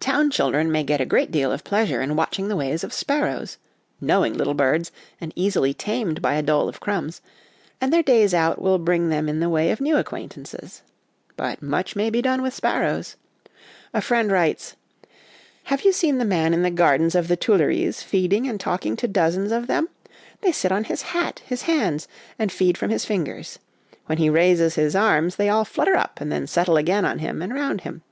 Town children may get a great deal of pleasure in watching the ways of sparrows knowing little birds, and easily tamed by a dole of crumbs, and their days out will bring them in the way of new acquaintances. But much may be done with sparrows. A friend writes :" Have you seen the man in the gardens of the Tuileries feeding and talking to dozens of them ? They sit on his hat, his hands, and feed from his fingers. When he raises his arms they all flutter up and then settle again on him and round him.